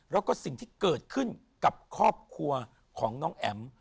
แล้วก็สิ่งที่เกิดขึ้นกับครอบครัวของน้องแอ๋ม